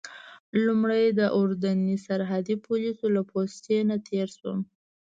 لومړی د اردني سرحدي پولیسو له پوستې نه تېر شوم.